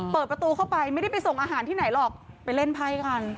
เปิดประตูเข้าไปไม่ได้ไปส่งอาหารที่ไหนหรอกไปเล่นไพ่กัน